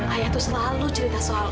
ayah tuh selalu cerita soal om